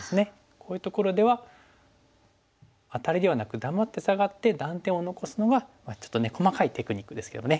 こういうところではアタリではなく黙ってサガって断点を残すのがまあちょっとね細かいテクニックですけどね